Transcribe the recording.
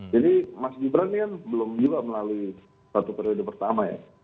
jadi mas gibran ini kan belum juga melalui satu periode pertama ya